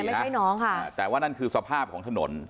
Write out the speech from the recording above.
ไม่ใช่น้องค่ะแต่ว่านั่นคือสภาพของถนน